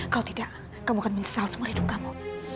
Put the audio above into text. kalau tidak kamu akan menyesal seumur hidup kamu